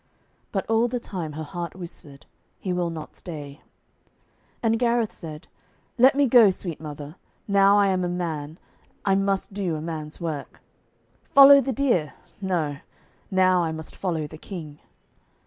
But all the time her heart whispered, 'He will not stay.' And Gareth said, 'Let me go, sweet mother. Now I am a man, I must do a man's work. "Follow the deer!" No; now I must follow the King.'